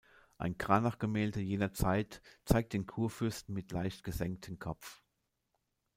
Ein Cranach-Gemälde jener Zeit zeigt den Kurfürsten mit leicht gesenkten Kopf.